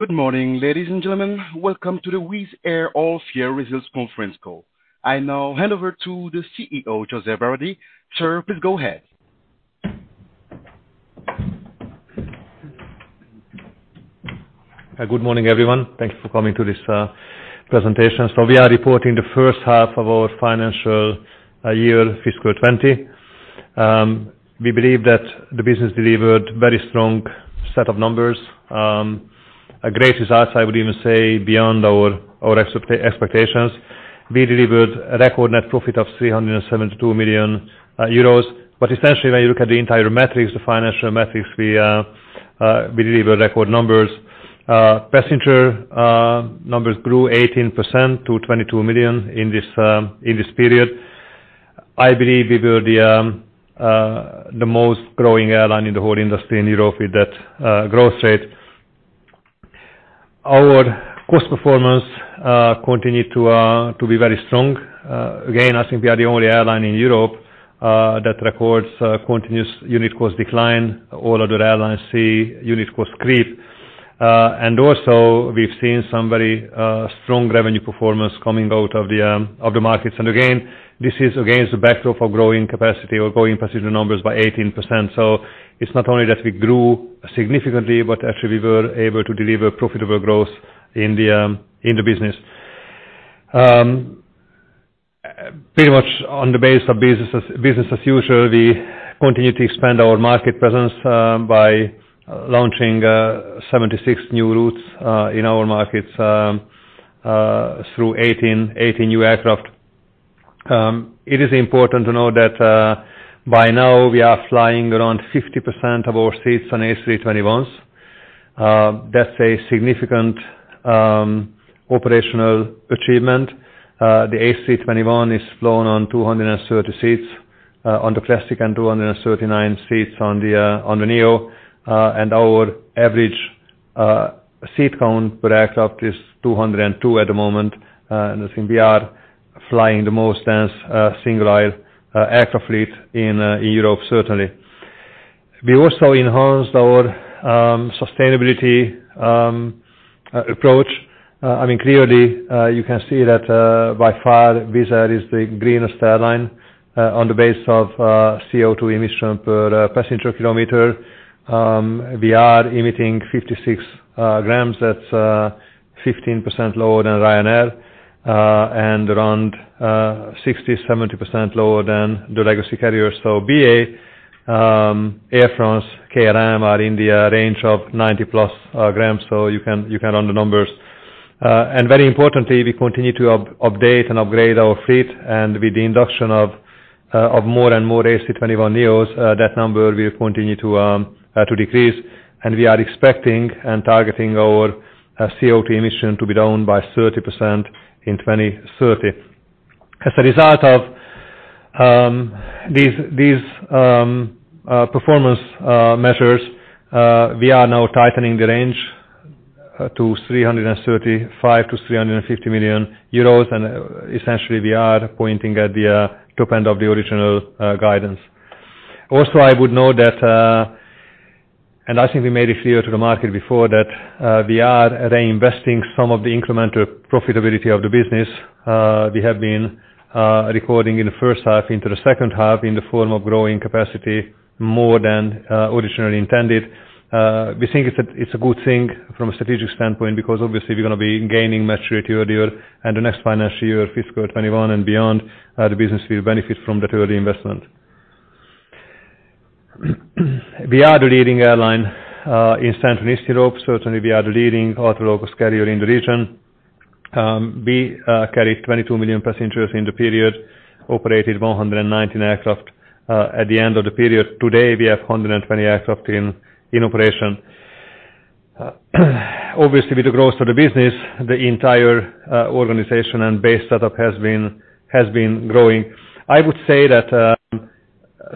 Good morning, ladies and gentlemen. Welcome to the Wizz Air Half Year Results conference call. I now hand over to the CEO, József Váradi. Sir, please go ahead. Good morning, everyone. Thank you for coming to this presentation. We are reporting the first half of our financial year, fiscal 2020. We believe that the business delivered very strong set of numbers. A great result, I would even say, beyond our expectations. We delivered a record net profit of 372 million euros. Essentially, when you look at the entire metrics, the financial metrics, we delivered record numbers. Passenger numbers grew 18% to 22 million in this period. I believe we were the most growing airline in the whole industry in Europe with that growth rate. Our cost performance continued to be very strong. Again, I think we are the only airline in Europe that records continuous unit cost decline. All other airlines see unit cost creep. Also we've seen some very strong revenue performance coming out of the markets. Again, this is against the backdrop of growing capacity or growing passenger numbers by 18%. It's not only that we grew significantly, but actually we were able to deliver profitable growth in the business. Pretty much on the base of business as usual, we continue to expand our market presence by launching 76 new routes in our markets through 18 new aircraft. It is important to know that by now we are flying around 50% of our seats on A321s. That's a significant operational achievement. The A321 is flown on 230 seats on the Classic and 239 seats on the NEO. Our average seat count per aircraft is 202 at the moment. I think we are flying the most dense single-aisle aircraft fleet in Europe, certainly. We also enhanced our sustainability approach. Clearly, you can see that by far, Wizz Air is the greenest airline on the base of CO2 emission per passenger kilometer. We are emitting 56 grams. That's 15% lower than Ryanair, and around 60%-70% lower than the legacy carriers. BA, Air France, KLM are in the range of 90-plus grams. You can run the numbers. Very importantly, we continue to update and upgrade our fleet. With the induction of more and more A321neos, that number will continue to decrease. We are expecting and targeting our CO2 emission to be down by 30% in 2030. As a result of these performance measures, we are now tightening the range to 335 million to 350 million euros, and essentially we are pointing at the top end of the original guidance. I would note that, and I think we made it clear to the market before that we are reinvesting some of the incremental profitability of the business. We have been recording in the first half into the second half in the form of growing capacity more than originally intended. We think it's a good thing from a strategic standpoint because obviously we're going to be gaining maturity earlier and the next financial year, fiscal 2021 and beyond, the business will benefit from that early investment. We are the leading airline in Central and Eastern Europe. Certainly, we are the leading ultra-low-cost carrier in the region. We carried 22 million passengers in the period, operated 119 aircraft at the end of the period. Today, we have 120 aircraft in operation. Obviously, with the growth of the business, the entire organization and base setup has been growing. I would say that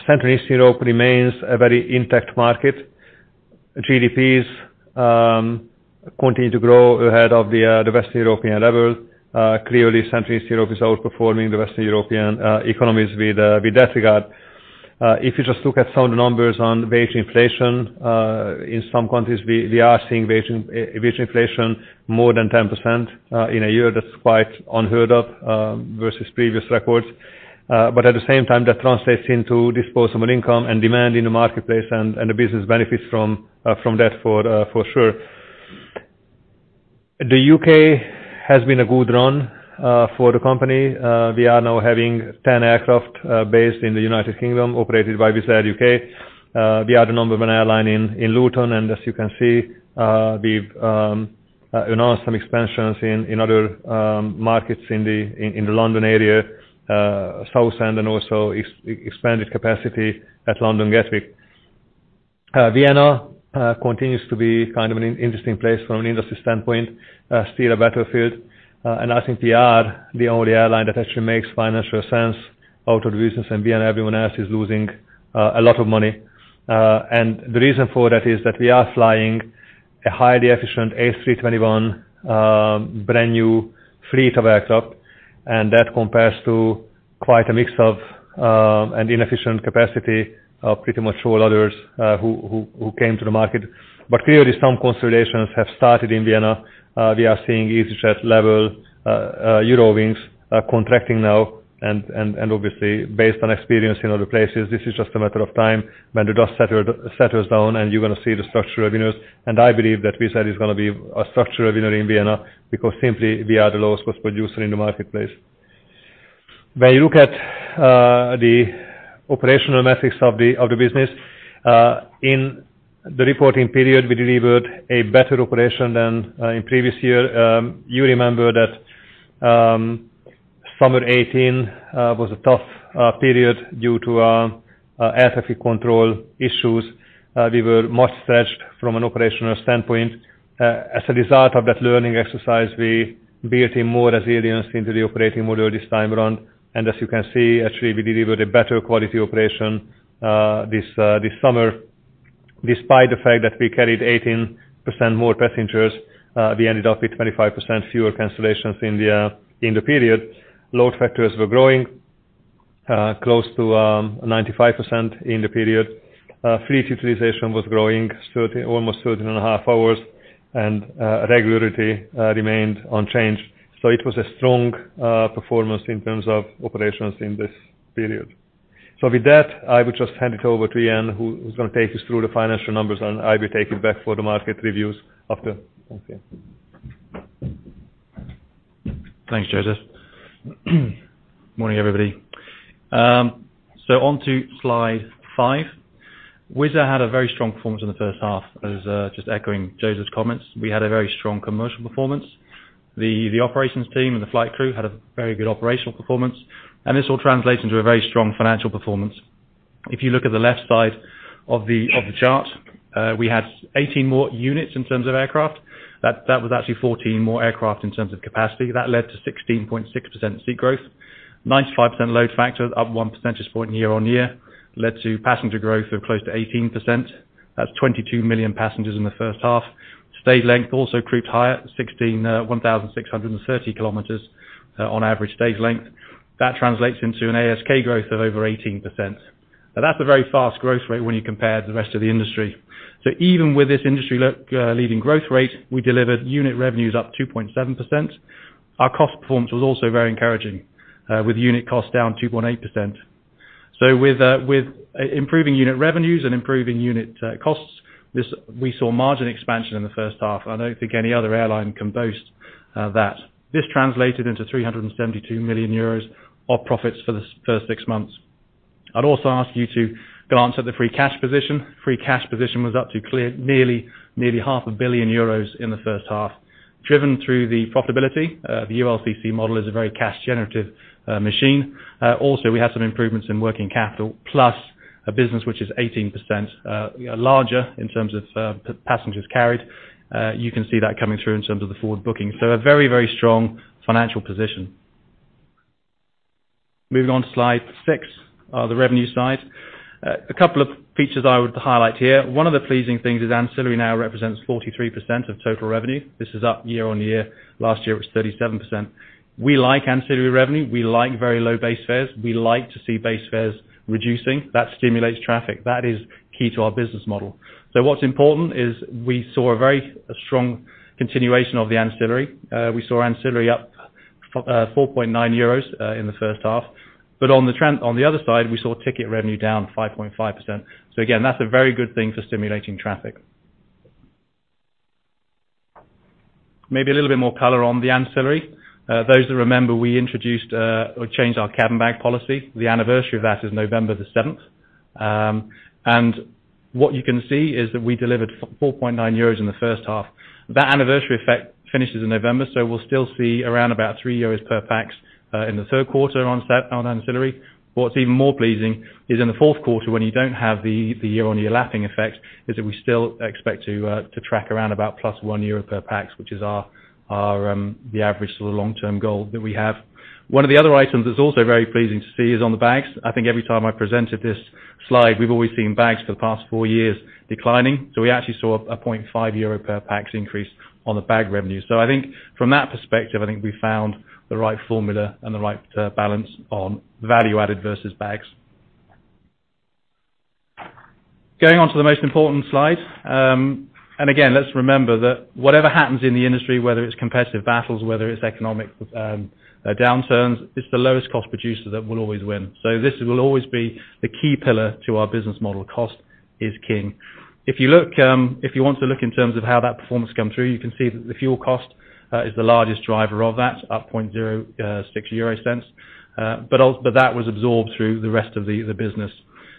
Central and Eastern Europe remains a very intact market. GDPs continue to grow ahead of the Western European level. Clearly, Central and Eastern Europe is outperforming the Western European economies with that regard. If you just look at some numbers on wage inflation, in some countries, we are seeing wage inflation more than 10% in a year. That's quite unheard of versus previous records. At the same time, that translates into disposable income and demand in the marketplace, and the business benefits from that for sure. The U.K. has been a good run for the company. We are now having 10 aircraft based in the United Kingdom, operated by Wizz Air UK. We are the number one airline in Luton, and as you can see, we've announced some expansions in other markets in the London area, Southend, and also expanded capacity at London Gatwick. Vienna continues to be kind of an interesting place from an industry standpoint. Still a battlefield. I think we are the only airline that actually makes financial sense out of the business in Vienna. Everyone else is losing a lot of money. The reason for that is that we are flying a highly efficient A321 brand-new fleet of aircraft, and that compares to quite a mix of and inefficient capacity of pretty much all others who came to the market. Clearly some consolidations have started in Vienna. We are seeing easyJet, LEVEL, Eurowings are contracting now, and obviously based on experience in other places, this is just a matter of time when the dust settles down and you're going to see the structural winners. I believe that Wizz Air is going to be a structural winner in Vienna because simply we are the lowest cost producer in the marketplace. When you look at the operational metrics of the business, in the reporting period, we delivered a better operation than in previous year. You remember that summer 2018 was a tough period due to air traffic control issues. We were much stretched from an operational standpoint. As a result of that learning exercise, we built in more resilience into the operating model this time around. As you can see, actually we delivered a better quality operation this summer, despite the fact that we carried 18% more passengers, we ended up with 25% fewer cancellations in the period. Load factors were growing close to 95% in the period. Fleet utilization was growing almost 13 and a half hours, and regularity remained unchanged. It was a strong performance in terms of operations in this period. With that, I will just hand it over to Iain, who's going to take us through the financial numbers, and I'll be taking back for the market reviews after. Thanks. Thanks, József. Morning, everybody. On to slide five. Wizz Air had a very strong performance in the first half. As just echoing József's comments. We had a very strong commercial performance. The operations team and the flight crew had a very good operational performance. This all translates into a very strong financial performance. If you look at the left side of the chart, we had 18 more units in terms of aircraft. That was actually 14 more aircraft in terms of capacity. That led to 16.6% seat growth. 95% load factor up one percentage point year-on-year led to passenger growth of close to 18%. That's 22 million passengers in the first half. Stage length also creeps higher at 1,663 kilometers on average stage length. That translates into an ASK growth of over 18%. That's a very fast growth rate when you compare to the rest of the industry. Even with this industry leading growth rate, we delivered unit revenues up 2.7%. Our cost performance was also very encouraging, with unit cost down 2.8%. With improving unit revenues and improving unit costs, we saw margin expansion in the first half. I don't think any other airline can boast that. This translated into €372 million of profits for the first six months. I'd also ask you to glance at the free cash position. Free cash position was up to nearly half a billion EUR in the first half, driven through the profitability. The ULCC model is a very cash generative machine. We have some improvements in working capital plus a business which is 18% larger in terms of passengers carried. You can see that coming through in terms of the forward booking. A very strong financial position. Moving on to slide six. The revenue slide. A couple of features I would highlight here. One of the pleasing things is ancillary now represents 43% of total revenue. This is up year on year. Last year, it was 37%. We like ancillary revenue. We like very low base fares. We like to see base fares reducing. That stimulates traffic. That is key to our business model. What's important is we saw a very strong continuation of the ancillary. We saw ancillary up 4.9 euros in the first half. On the other side, we saw ticket revenue down 5.5%. Again, that's a very good thing for stimulating traffic. Maybe a little bit more color on the ancillary. Those that remember, we introduced or changed our cabin bag policy. The anniversary of that is November the 7th. What you can see is that we delivered 4.9 euros in the first half. That anniversary effect finishes in November, so we'll still see around about 3 euros per pax in the third quarter on ancillary. What's even more pleasing is in the fourth quarter, when you don't have the year-on-year lapping effect, is that we still expect to track around about plus 1 euro per pax, which is the average sort of long-term goal that we have. One of the other items that's also very pleasing to see is on the bags. I think every time I presented this slide, we've always seen bags for the past four years declining. We actually saw a 0.5 euro per pax increase on the bag revenue. I think from that perspective, I think we found the right formula and the right balance on value added versus bags. Going on to the most important slide. Again, let's remember that whatever happens in the industry, whether it's competitive battles, whether it's economic downturns, it's the lowest cost producer that will always win. This will always be the key pillar to our business model. Cost is king. If you want to look in terms of how that performance come through, you can see that the fuel cost is the largest driver of that, up 0.06. That was absorbed through the rest of the business.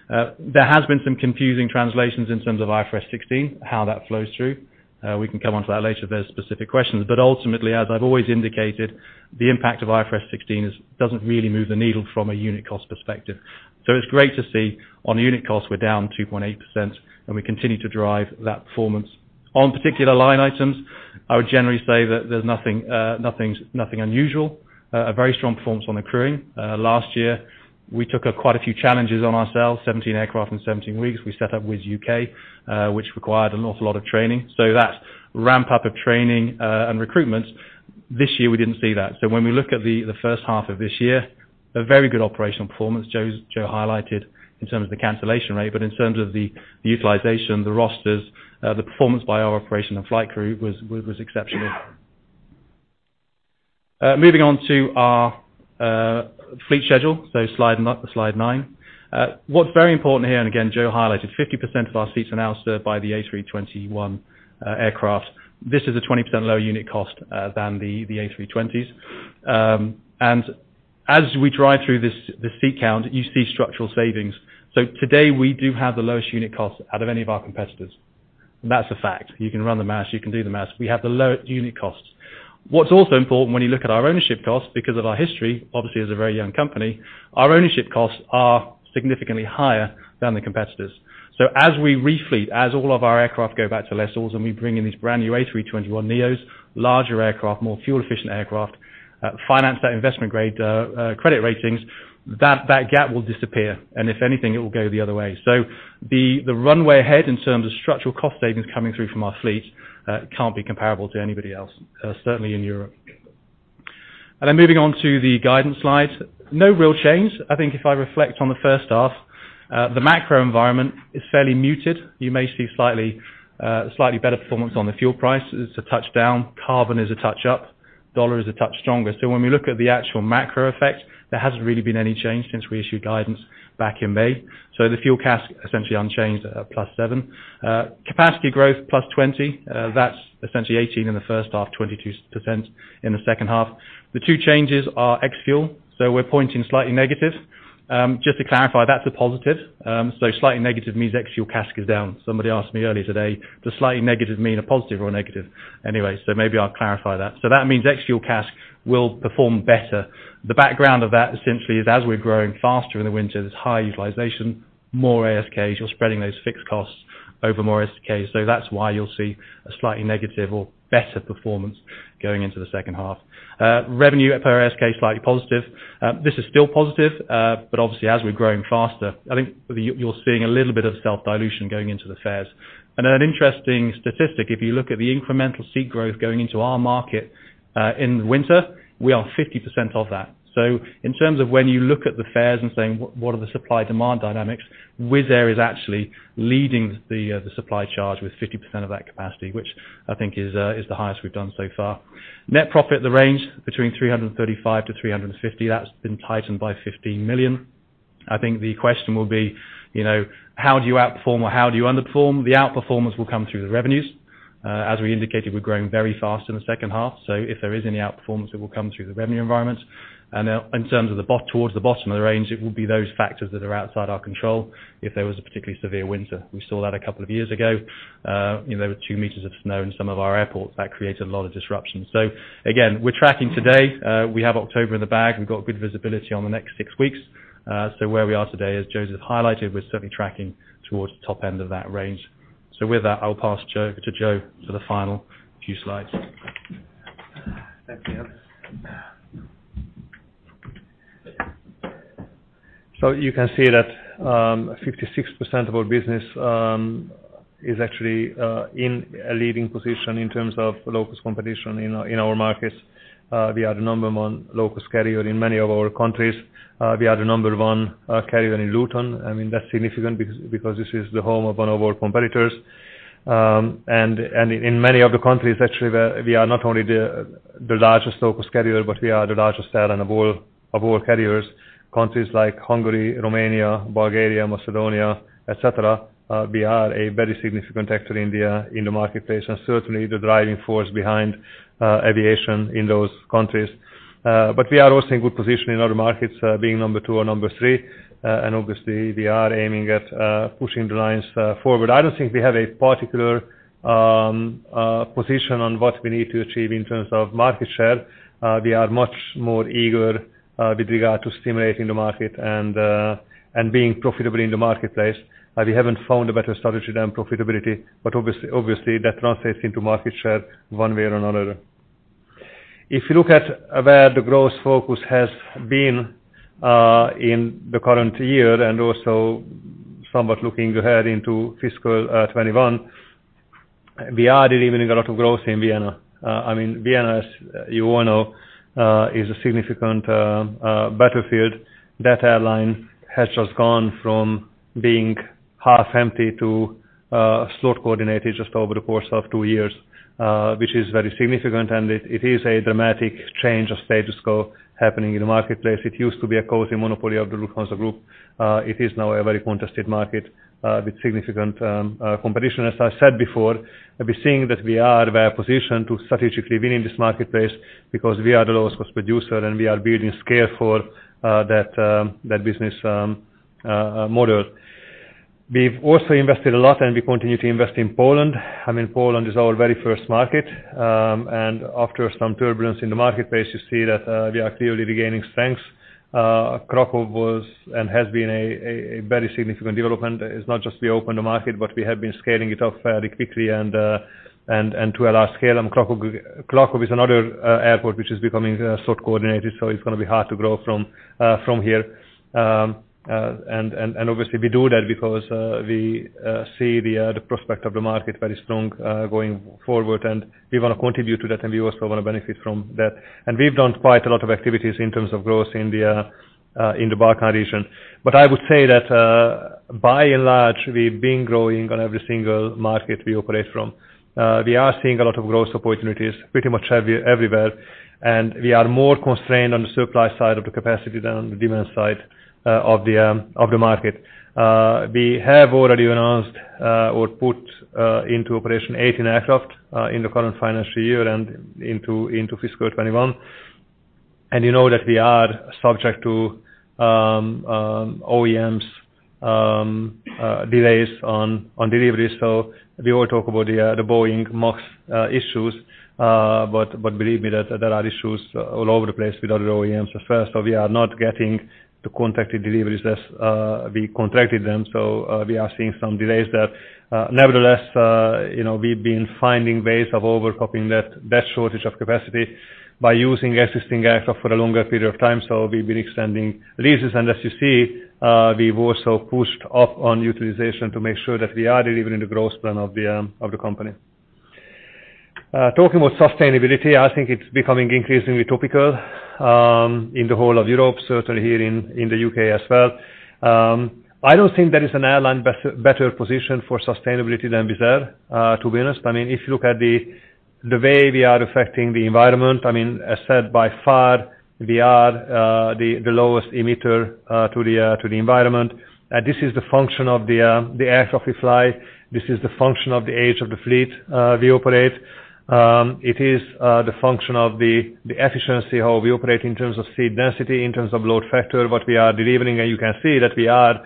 There has been some confusing translations in terms of IFRS 16, how that flows through. We can come onto that later if there's specific questions. Ultimately, as I've always indicated, the impact of IFRS 16 doesn't really move the needle from a unit cost perspective. It's great to see on unit cost, we're down 2.8% and we continue to drive that performance. On particular line items, I would generally say that there's nothing unusual. A very strong performance on the crew. Last year, we took quite a few challenges on ourselves, 17 aircraft in 17 weeks. We set up Wizz UK, which required an awful lot of training. That ramp up of training and recruitment, this year, we didn't see that. When we look at the first half of this year, a very good operational performance Jo highlighted in terms of the cancellation rate. In terms of the utilization, the rosters, the performance by our operation and flight crew was exceptional. Moving on to our fleet schedule. Slide nine. What's very important here, Jo highlighted, 50% of our seats are now served by the A321 aircraft. This is a 20% lower unit cost than the A320s. As we drive through this seat count, you see structural savings. Today, we do have the lowest unit cost out of any of our competitors. That's a fact. You can run the math. You can do the math. We have the lowest unit costs. What's also important when you look at our ownership costs, because of our history, obviously as a very young company, our ownership costs are significantly higher than the competitors. As we refleet, as all of our aircraft go back to lessors and we bring in these brand new A321neos, larger aircraft, more fuel-efficient aircraft, finance that investment-grade credit ratings, that gap will disappear. If anything, it will go the other way. The runway ahead in terms of structural cost savings coming through from our fleet, can't be comparable to anybody else, certainly in Europe. Moving on to the guidance slide. No real change. I think if I reflect on the first half, the macro environment is fairly muted. You may see slightly better performance on the fuel prices a touch down. Carbon is a touch up. U.S. dollar is a touch stronger. When we look at the actual macro effect, there hasn't really been any change since we issued guidance back in May. The fuel CASK, essentially unchanged at plus seven. Capacity growth plus 20. That's essentially 18 in the first half, 22% in the second half. The two changes are ex-fuel. We're pointing slightly negative. Just to clarify, that's a positive. Slightly negative means ex-fuel CASK is down. Somebody asked me earlier today, does slightly negative mean a positive or a negative? Maybe I'll clarify that. That means ex-fuel CASK will perform better. The background of that essentially is as we're growing faster in the winter, there's high utilization, more ASKs. You're spreading those fixed costs over more ASKs. That's why you'll see a slightly negative or better performance going into the second half. Revenue per ASK slightly positive. This is still positive, obviously, as we're growing faster, I think you're seeing a little bit of self-dilution going into the fares. An interesting statistic, if you look at the incremental seat growth going into our market in the winter, we are 50% of that. In terms of when you look at the fares and saying, "What are the supply-demand dynamics?" Wizz Air is actually leading the supply charge with 50% of that capacity, which I think is the highest we've done so far. Net profit, the range between 335-350. That's been tightened by 15 million. I think the question will be, how do you outperform or how do you underperform? The outperformance will come through the revenues. As we indicated, we're growing very fast in the second half, so if there is any outperformance, it will come through the revenue environment. In terms of towards the bottom of the range, it will be those factors that are outside our control, if there was a particularly severe winter. We saw that a couple of years ago. There were two meters of snow in some of our airports. That created a lot of disruption. Again, we're tracking today. We have October in the bag. We've got good visibility on the next six weeks. Where we are today, as Jo has highlighted, we're certainly tracking towards the top end of that range. With that, I'll pass to Jo for the final few slides. Thanks, Iain. You can see that 56% of our business is actually in a leading position in terms of low-cost competition in our markets. We are the number one low-cost carrier in many of our countries. We are the number one carrier in Luton. That's significant because this is the home of one of our competitors. In many of the countries, actually, we are not only the largest low-cost carrier, but we are the largest airline of all carriers. Countries like Hungary, Romania, Bulgaria, Macedonia, et cetera, we are a very significant actor in the marketplace and certainly the driving force behind aviation in those countries. We are also in good position in other markets, being number two or number three. Obviously, we are aiming at pushing the lines forward. I don't think we have a particular position on what we need to achieve in terms of market share. We are much more eager with regard to stimulating the market and being profitable in the marketplace. We haven't found a better strategy than profitability, but obviously that translates into market share one way or another. If you look at where the growth focus has been in the current year and also somewhat looking ahead into fiscal 2021, we are delivering a lot of growth in Vienna. Vienna, as you all know, is a significant battlefield. That airline has just gone from being half empty to slot coordinated just over the course of two years, which is very significant, and it is a dramatic change of status quo happening in the marketplace. It used to be a cozy monopoly of the Lufthansa Group. It is now a very contested market with significant competition. As I said before, we're seeing that we are well-positioned to strategically win in this marketplace because we are the lowest cost producer, and we are building scale for that business model. We've also invested a lot, and we continue to invest in Poland. Poland is our very first market, and after some turbulence in the marketplace, you see that we are clearly regaining strength. Krakow was and has been a very significant development. It's not just we opened the market, but we have been scaling it up fairly quickly and to a large scale. Krakow is another airport which is becoming slot-coordinated, so it's going to be hard to grow from here. Obviously we do that because we see the prospect of the market very strong going forward, and we want to contribute to that, and we also want to benefit from that. We've done quite a lot of activities in terms of growth in the Balkan region. I would say that by and large, we've been growing on every single market we operate from. We are seeing a lot of growth opportunities pretty much everywhere, and we are more constrained on the supply side of the capacity than on the demand side of the market. We have already announced or put into operation 18 aircraft in the current financial year and into fiscal 2021. You know that we are subject to OEMs delays on deliveries. We all talk about the Boeing MAX issues, but believe me that there are issues all over the place with other OEMs as well. We are not getting the contracted deliveries as we contracted them. We are seeing some delays there. Nevertheless, we've been finding ways of overcompensating that shortage of capacity by using existing aircraft for a longer period of time. We've been extending leases, and as you see, we've also pushed up on utilization to make sure that we are delivering the growth plan of the company. Talking about sustainability, I think it's becoming increasingly topical in the whole of Europe, certainly here in the U.K. as well. I don't think there is an airline better positioned for sustainability than Wizz Air, to be honest. If you look at the way we are affecting the environment, as said, by far, we are the lowest emitter to the environment. This is the function of the aircraft we fly. This is the function of the age of the fleet we operate. It is the function of the efficiency of how we operate in terms of seat density, in terms of load factor, what we are delivering, and you can see that we are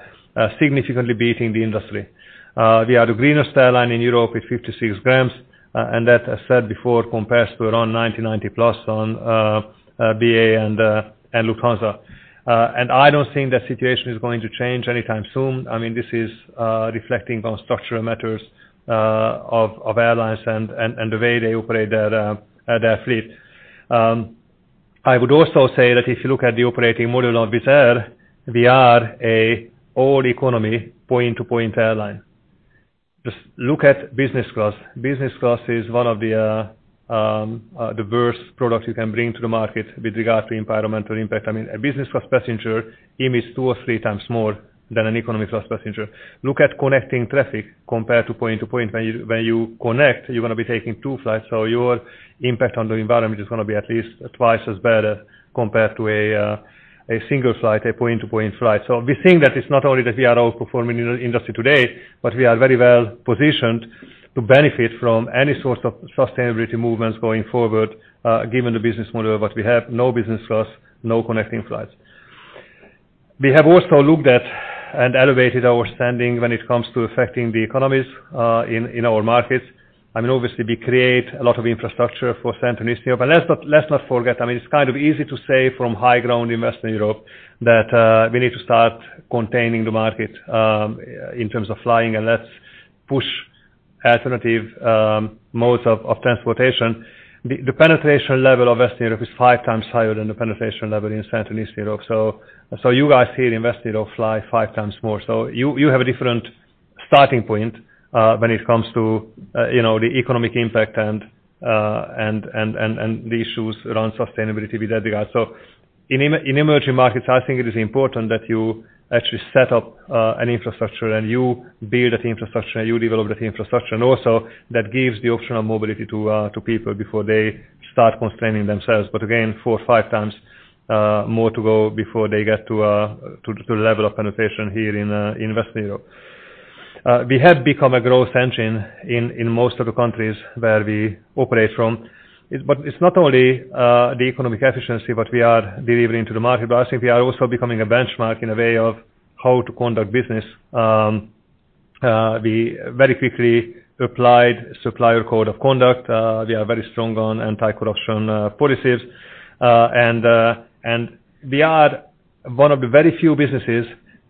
significantly beating the industry. We are the greenest airline in Europe with 56 grams, and that, as said before, compares to around 90-plus on BA and Lufthansa. I don't think that situation is going to change anytime soon. This is reflecting on structural matters of airlines and the way they operate their fleet. I would also say that if you look at the operating model of Wizz Air, we are an all-economy point-to-point airline. Just look at business class. Business class is one of the worst products you can bring to the market with regard to environmental impact. A business class passenger emits two or three times more than an economy class passenger. Look at connecting traffic compared to point to point. When you connect, you're going to be taking two flights, so your impact on the environment is going to be at least twice as bad compared to a single flight, a point-to-point flight. We think that it's not only that we are outperforming the industry today, but we are very well-positioned to benefit from any sort of sustainability movements going forward given the business model that we have. No business class, no connecting flights. We have also looked at and elevated our standing when it comes to affecting the economies in our markets. Obviously, we create a lot of infrastructure for Central and Eastern Europe. Let's not forget, it's kind of easy to say from high ground in Western Europe that we need to start containing the market in terms of flying and let's push alternative modes of transportation. The penetration level of Eastern Europe is five times higher than the penetration level in Central and Eastern Europe. You guys here in Western Europe fly five times more. You have a different starting point when it comes to the economic impact and the issues around sustainability with that regard. In emerging markets, I think it is important that you actually set up an infrastructure and you build that infrastructure, you develop that infrastructure. Also that gives the option of mobility to people before they start constraining themselves. Again, four or five times more to go before they get to the level of penetration here in Western Europe. We have become a growth engine in most of the countries where we operate from. It's not only the economic efficiency that we are delivering to the market, but I think we are also becoming a benchmark in a way of how to conduct business. We very quickly applied supplier code of conduct. We are very strong on anti-corruption policies. We are one of the very few businesses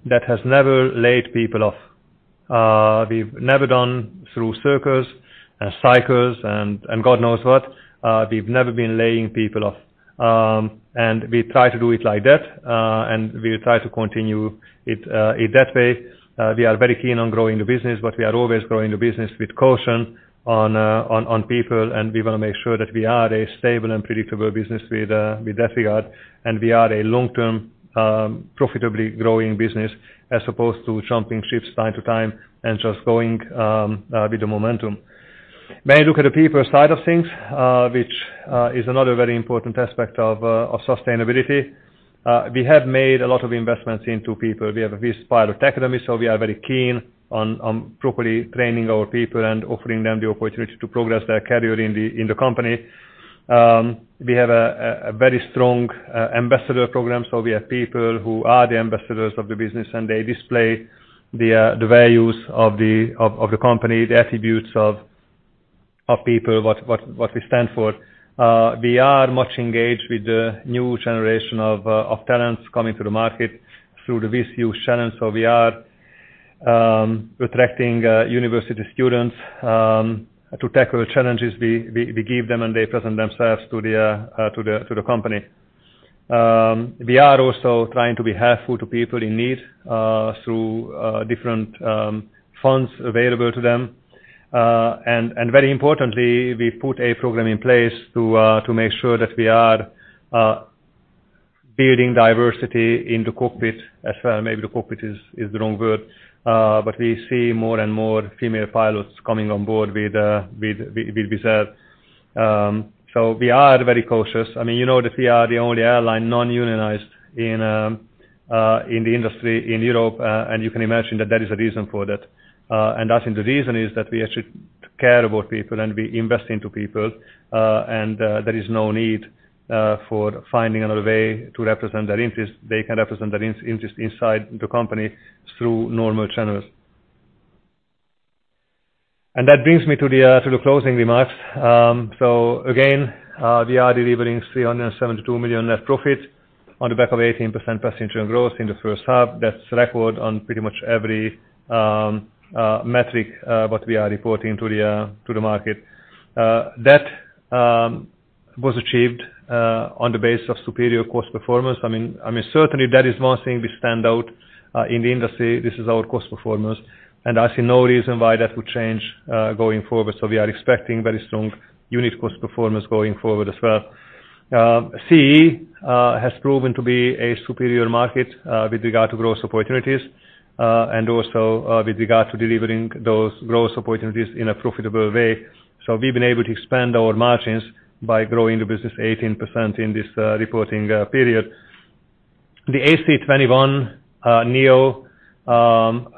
that has never laid people off. We've never done through circles and cycles and God knows what. We've never been laying people off, and we try to do it like that, and we try to continue it that way. We are very keen on growing the business, but we are always growing the business with caution on people, and we want to make sure that we are a stable and predictable business with that regard. We are a long-term, profitably growing business as opposed to jumping ships time to time and just going with the momentum. When you look at the people side of things, which is another very important aspect of sustainability, we have made a lot of investments into people. We have Wizz Air Pilot Academy, so we are very keen on properly training our people and offering them the opportunity to progress their career in the company. We have a very strong ambassador program. We have people who are the ambassadors of the business, and they display the values of the company, the attributes of people, what we stand for. We are much engaged with the new generation of talents coming to the market through the WizzU channel. We are attracting university students to tackle the challenges we give them, and they present themselves to the company. We are also trying to be helpful to people in need, through different funds available to them. Very importantly, we put a program in place to make sure that we are building diversity in the cockpit as well. Maybe the cockpit is the wrong word. We see more and more female pilots coming on board with Wizz Air. We are very cautious. You know that we are the only airline non-unionized in the industry in Europe, and you can imagine that there is a reason for that. I think the reason is that we actually care about people, and we invest into people. There is no need for finding another way to represent their interest. They can represent their interest inside the company through normal channels. That brings me to the closing remarks. Again, we are delivering 372 million net profit on the back of 18% passenger growth in the first half. That's a record on pretty much every metric what we are reporting to the market. That was achieved on the base of superior cost performance. Certainly that is one thing we stand out in the industry, this is our cost performance, and I see no reason why that would change going forward. We are expecting very strong unit cost performance going forward as well. CEE has proven to be a superior market with regard to growth opportunities, and also with regard to delivering those growth opportunities in a profitable way. We've been able to expand our margins by growing the business 18% in this reporting period. The A321neo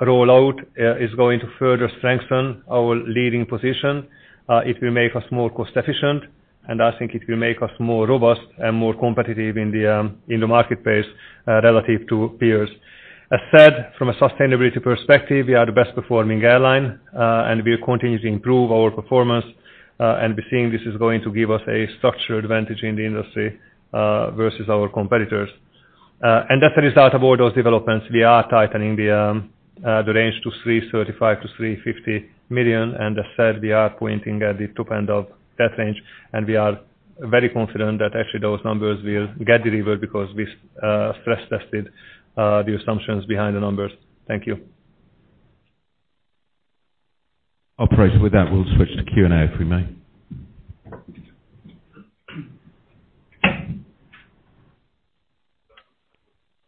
rollout is going to further strengthen our leading position. It will make us more cost-efficient, and I think it will make us more robust and more competitive in the marketplace relative to peers. As said, from a sustainability perspective, we are the best-performing airline, and we are continuing to improve our performance. We're seeing this is going to give us a structural advantage in the industry versus our competitors. As a result of all those developments, we are tightening the range to 335 million-350 million. As said, we are pointing at the top end of that range, and we are very confident that actually those numbers will get delivered because we stress-tested the assumptions behind the numbers. Thank you. Operator, with that, we'll switch to Q&A, if we may.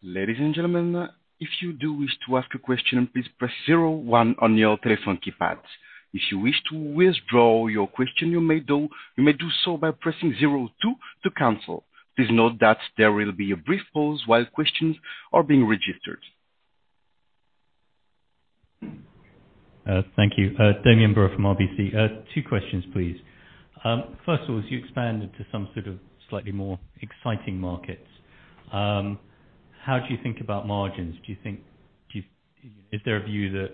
Ladies and gentlemen, if you do wish to ask a question, please press zero one on your telephone keypads. If you wish to withdraw your question, you may do so by pressing zero two to cancel. Please note that there will be a brief pause while questions are being registered. Thank you. Damian Brewer from RBC. Two questions, please. First of all, as you expand into some sort of slightly more exciting markets, how do you think about margins? Is there a view that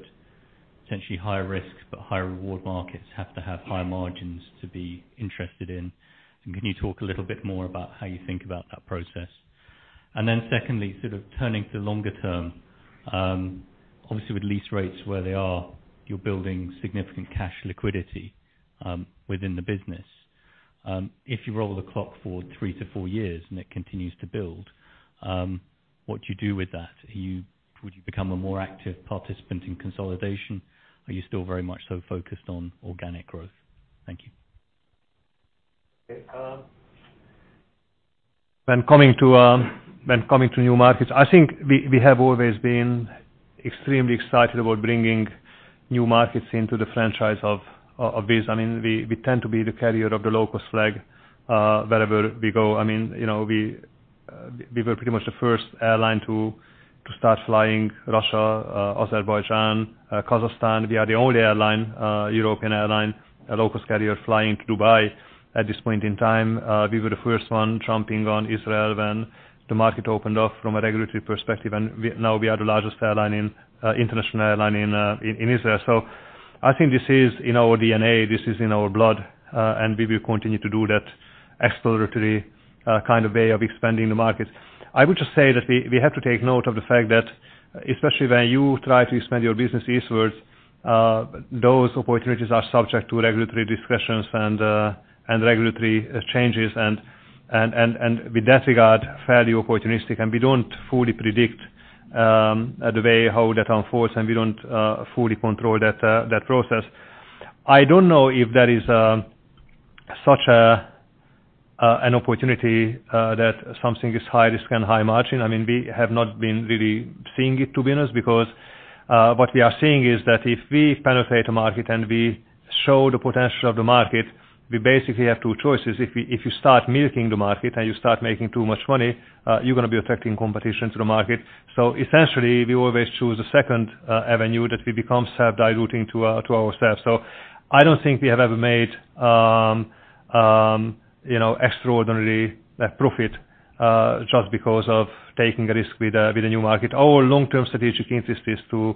potentially higher risks but higher reward markets have to have higher margins to be interested in? Can you talk a little bit more about how you think about that process? Secondly, sort of turning to the longer term. Obviously with lease rates where they are, you're building significant cash liquidity within the business. If you roll the clock forward three to four years and it continues to build, what do you do with that? Would you become a more active participant in consolidation? Are you still very much so focused on organic growth? Thank you. When coming to new markets, I think we have always been extremely excited about bringing new markets into the franchise of Wizz Air. We tend to be the carrier of the low-cost flag wherever we go. We were pretty much the first airline to start flying Russia, Azerbaijan, Kazakhstan. We are the only airline, European airline, a low-cost carrier flying to Dubai at this point in time. We were the first one jumping on Israel when the market opened up from a regulatory perspective, and now we are the largest airline in, international airline in Israel. I think this is in our DNA, this is in our blood, and we will continue to do that exploratory kind of way of expanding the market. I would just say that we have to take note of the fact that, especially when you try to expand your business eastwards, those opportunities are subject to regulatory discussions and regulatory changes, and with that regard, fairly opportunistic, and we don't fully predict the way how that unfolds, and we don't fully control that process. I don't know if there is such an opportunity that something is high risk and high margin. We have not been really seeing it, to be honest, because what we are seeing is that if we penetrate the market and we show the potential of the market, we basically have two choices. If you start milking the market and you start making too much money, you're going to be affecting competition to the market. Essentially, we always choose the second avenue, that we become self-diluting to ourselves. I don't think we have ever made extraordinarily a profit just because of taking a risk with a new market. Our long-term strategic interest is to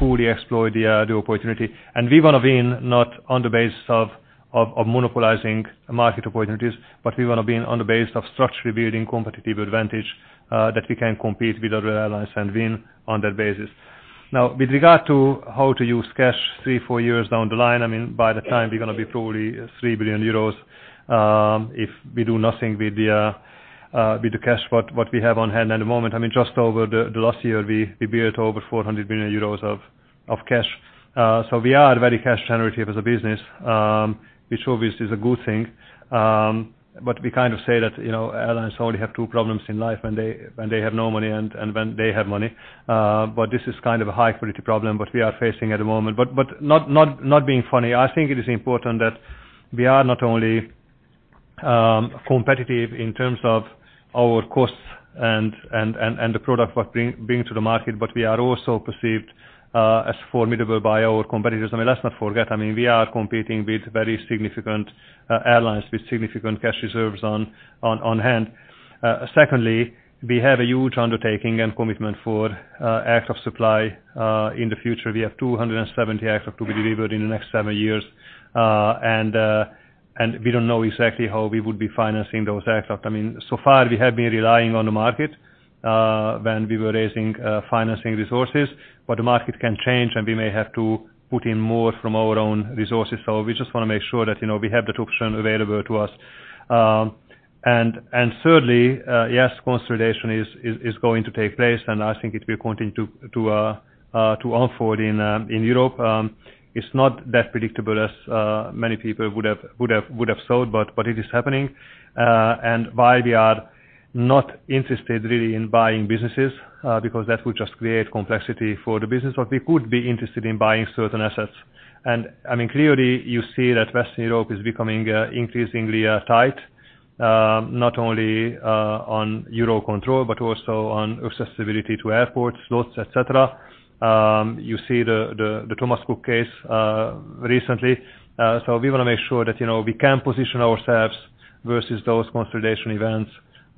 fully exploit the opportunity, and we want to win not on the basis of monopolizing market opportunities, but we want to win on the base of structurally building competitive advantage that we can compete with other airlines and win on that basis. Now, with regard to how to use cash three, four years down the line, by that time, we're going to be probably 3 billion euros if we do nothing with the cash what we have on hand at the moment. Just over the last year, we built over 400 million euros of cash. We are very cash generative as a business, which obviously is a good thing. We kind of say that airlines only have two problems in life, when they have no money and when they have money. This is kind of a high-quality problem what we are facing at the moment. Not being funny, I think it is important that we are not only competitive in terms of our costs and the product we're bringing to the market, but we are also perceived as formidable by our competitors. Let's not forget, we are competing with very significant airlines with significant cash reserves on hand. Secondly, we have a huge undertaking and commitment for aircraft supply in the future. We have 270 aircraft to be delivered in the next seven years. We don't know exactly how we would be financing those aircraft. So far, we have been relying on the market, when we were raising financing resources, but the market can change, and we may have to put in more from our own resources. We just want to make sure that we have that option available to us. Thirdly, yes, consolidation is going to take place, and I think it will continue to unfold in Europe. It's not that predictable as many people would have thought, but it is happening. While we are not interested really in buying businesses, because that would just create complexity for the business, but we could be interested in buying certain assets. Clearly, you see that Western Europe is becoming increasingly tight, not only on EUROCONTROL, but also on accessibility to airports, slots, et cetera. You see the Thomas Cook case recently. We want to make sure that we can position ourselves versus those consolidation events,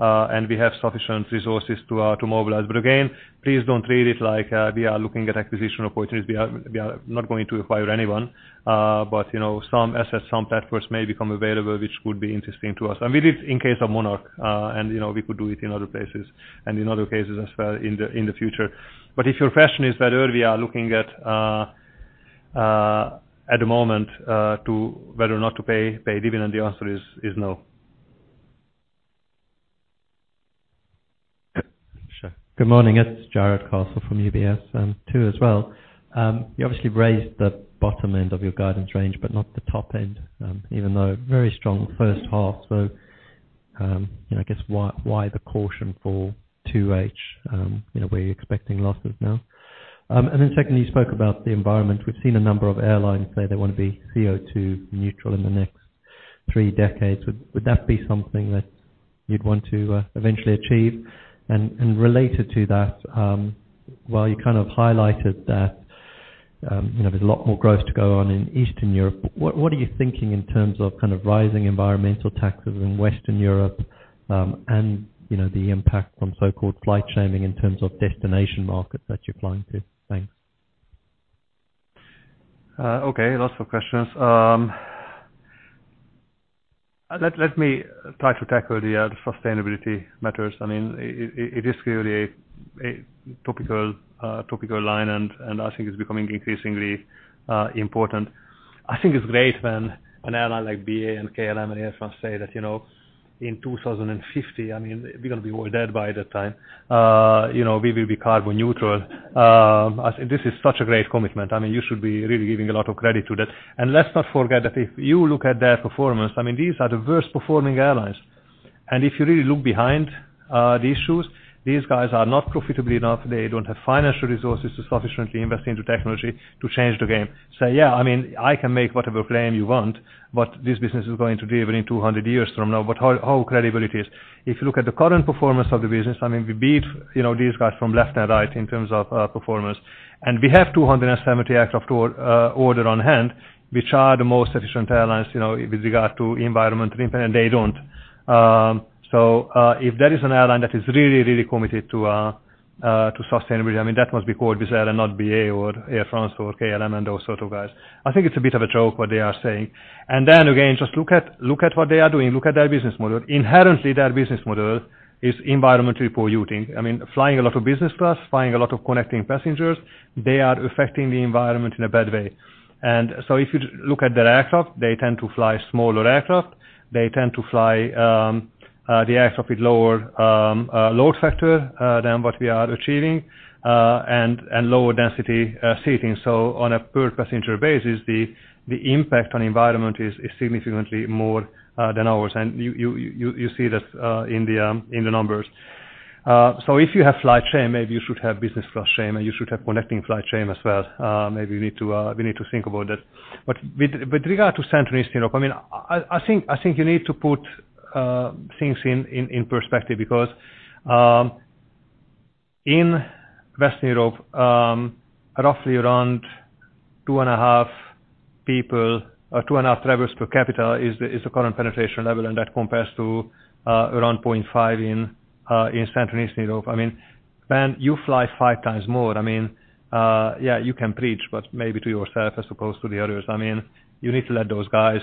and we have sufficient resources to mobilize. Again, please don't read it like we are looking at acquisition opportunities. We are not going to acquire anyone. Some assets, some platforms may become available, which would be interesting to us. We did in case of Monarch, and we could do it in other places and in other cases as well in the future. If your question is whether we are looking at the moment whether or not to pay dividend, the answer is no. Sure. Good morning. It's Jarrod Castle from UBS. Two as well. You obviously raised the bottom end of your guidance range, but not the top end. Even though very strong first half. I guess why the caution for 2H? Were you expecting losses now? Secondly, you spoke about the environment. We've seen a number of airlines say they want to be CO2 neutral in the next three decades. Would that be something that you'd want to eventually achieve? While you kind of highlighted that there's a lot more growth to go on in Eastern Europe, what are you thinking in terms of kind of rising environmental taxes in Western Europe, and the impact on so-called flight shaming in terms of destination markets that you're flying to? Thanks. Okay. Lots of questions. Let me try to tackle the sustainability matters. It is clearly a topical line, and I think it's becoming increasingly important. I think it's great when an airline like BA and KLM and Air France say that, "In 2050," we're going to be all dead by that time, "we will be carbon neutral." I think this is such a great commitment. You should be really giving a lot of credit to that. Let's not forget that if you look at their performance, these are the worst-performing airlines. If you really look behind these issues, these guys are not profitable enough. They don't have financial resources to sufficiently invest into technology to change the game. Yeah, I can make whatever claim you want, but this business is going to be even in 200 years from now. How credible it is? If you look at the current performance of the business, we beat these guys from left and right in terms of performance. We have 270 aircraft order on hand, which are the most efficient airlines, with regard to environmental impact, and they don't. If there is an airline that is really, really committed to sustainability, that must be called Wizz Air and not BA or Air France or KLM and those sort of guys. I think it's a bit of a joke what they are saying. Then again, just look at what they are doing. Look at their business model. Inherently, their business model is environmentally polluting. Flying a lot of business class, flying a lot of connecting passengers, they are affecting the environment in a bad way. If you look at their aircraft, they tend to fly smaller aircraft. They tend to fly the aircraft with lower load factor than what we are achieving, and lower density seating. On a per-passenger basis, the impact on environment is significantly more than ours. You see that in the numbers. If you have flight shame, maybe you should have business class shame, and you should have connecting flight shame as well. Maybe we need to think about that. With regard to Central Eastern Europe, I think you need to put things in perspective because. In Western Europe, roughly around 2.5 people, or 2.5 travelers per capita is the current penetration level, and that compares to around 0.5 in Central Eastern Europe. When you fly five times more, you can preach, but maybe to yourself as opposed to the others. You need to let those guys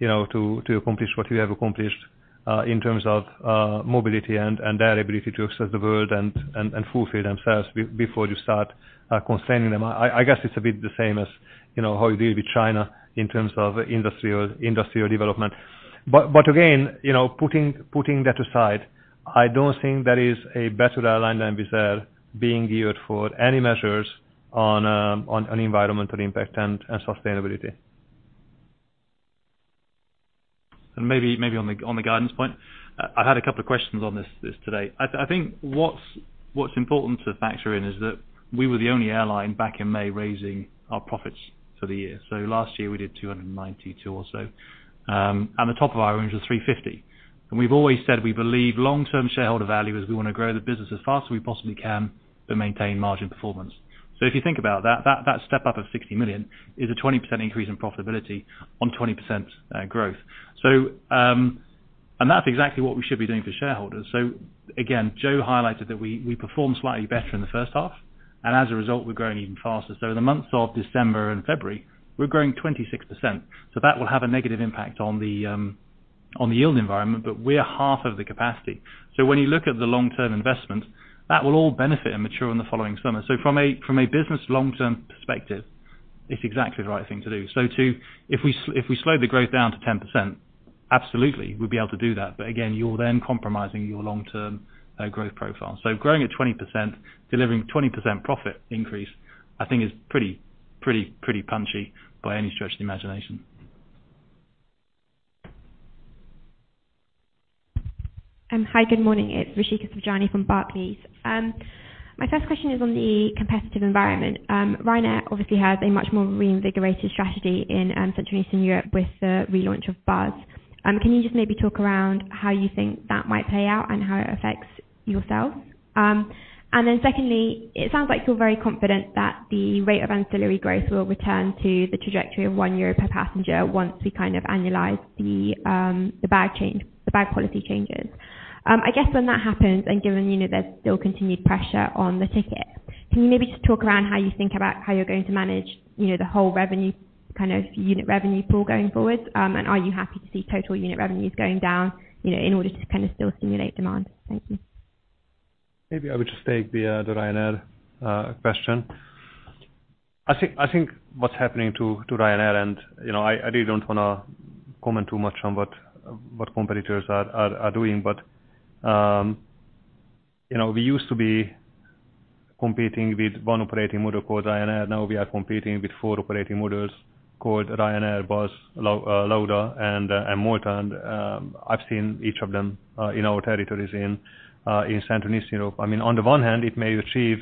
to accomplish what you have accomplished in terms of mobility and their ability to access the world and fulfill themselves before you start constraining them. I guess it's a bit the same as how you deal with China in terms of industrial development. Again, putting that aside, I don't think there is a better airline than Wizz Air being geared for any measures on environmental impact and sustainability. Maybe on the guidance point, I had a couple of questions on this today. I think what's important to factor in is that we were the only airline back in May raising our profits for the year. Last year, we did 292 or so. The top of our range was 350. We've always said we believe long-term shareholder value is we want to grow the business as fast as we possibly can, but maintain margin performance. If you think about that step up of 60 million is a 20% increase in profitability on 20% growth. That's exactly what we should be doing for shareholders. Again, Jo highlighted that we performed slightly better in the first half, and as a result, we're growing even faster. In the months of December and February, we're growing 26%. That will have a negative impact on the yield environment, but we're half of the capacity. When you look at the long-term investment, that will all benefit and mature in the following summer. From a business long-term perspective, it's exactly the right thing to do. If we slow the growth down to 10%, absolutely, we'll be able to do that. Again, you're then compromising your long-term growth profile. Growing at 20%, delivering 20% profit increase, I think is pretty punchy by any stretch of the imagination. Hi, good morning. It is Rishika Savjani from Barclays. My first question is on the competitive environment. Ryanair obviously has a much more reinvigorated strategy in Central Eastern Europe with the relaunch of Buzz. Can you just maybe talk around how you think that might play out and how it affects yourselves? Secondly, it sounds like you are very confident that the rate of ancillary growth will return to the trajectory of €1 per passenger once we kind of annualize the bag policy changes. I guess when that happens, and given there is still continued pressure on the ticket, can you maybe just talk around how you think about how you are going to manage the whole unit revenue pool going forward? Are you happy to see total unit revenues going down in order to kind of still stimulate demand? Thank you. Maybe I would just take the Ryanair question. I think what's happening to Ryanair, and I really don't want to comment too much on what competitors are doing, but we used to be competing with 1 operating model called Ryanair. Now we are competing with 4 operating models called Ryanair, Buzz, LaudaMotion, and Malta Air. I've seen each of them in our territories in Central Eastern Europe. On the one hand, it may achieve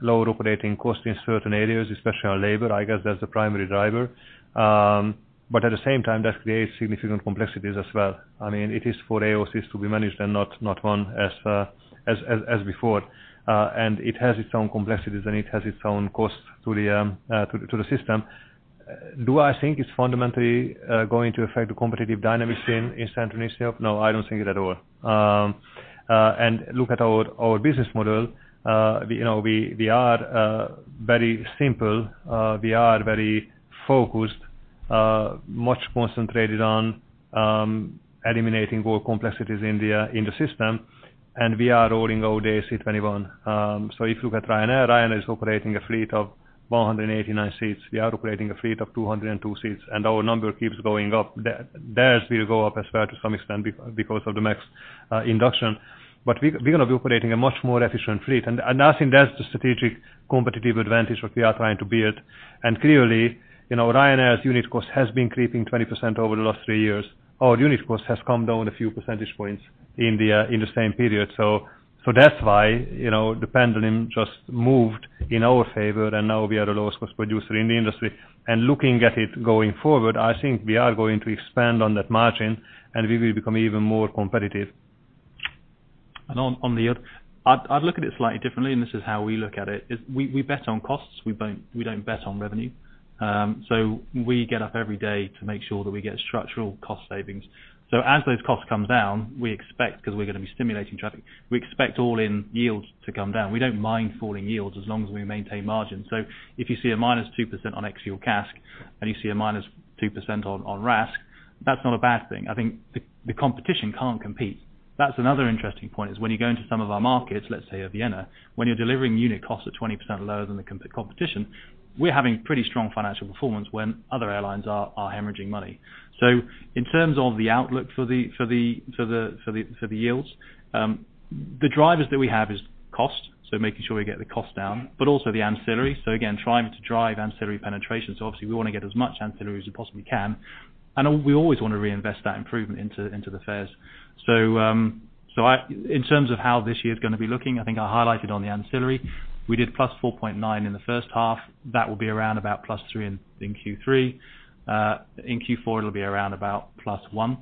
lower operating costs in certain areas, especially on labor. I guess that's the primary driver. At the same time, that creates significant complexities as well. It is 4 AOCs to be managed and not 1 as before. It has its own complexities, and it has its own costs to the system. Do I think it's fundamentally going to affect the competitive dynamics in Central Eastern Europe? No, I don't think it at all. Look at our business model. We are very simple. We are very focused, much concentrated on eliminating all complexities in the system. We are rolling our A321. If you look at Ryanair is operating a fleet of 189 seats. We are operating a fleet of 202 seats, and our number keeps going up. Theirs will go up as well to some extent because of the max induction. We are operating a much more efficient fleet. I think that's the strategic competitive advantage what we are trying to build. Clearly, Ryanair's unit cost has been creeping 20% over the last three years. Our unit cost has come down a few percentage points in the same period. That's why the pendulum just moved in our favor, and now we are the lowest cost producer in the industry. Looking at it going forward, I think we are going to expand on that margin, and we will become even more competitive. On the yield, I'd look at it slightly differently, and this is how we look at it, is we bet on costs. We don't bet on revenue. We get up every day to make sure that we get structural cost savings. As those costs come down, we expect, because we're going to be stimulating traffic, we expect all-in yields to come down. We don't mind falling yields as long as we maintain margins. If you see a minus 2% on ex-fuel CASK and you see a minus 2% on RASK, that's not a bad thing. I think the competition can't compete. That's another interesting point is when you go into some of our markets, let's say at Vienna, when you're delivering unit costs at 20% lower than the competition, we're having pretty strong financial performance when other airlines are hemorrhaging money. In terms of the outlook for the yields, the drivers that we have is cost, making sure we get the cost down, but also the ancillary. Again, trying to drive ancillary penetration. Obviously, we want to get as much ancillary as we possibly can. We always want to reinvest that improvement into the fares. In terms of how this year is going to be looking, I think I highlighted on the ancillary. We did +4.9% in the first half. That will be around about +3% in Q3. In Q4, it'll be around about +1%.